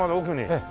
ええ。